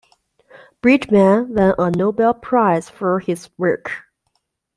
Bridgman won a Nobel Prize for his work.